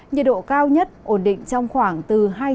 nhiệt độ cao nhất ổn định trong khoảng từ hai mươi chín ba mươi hai độ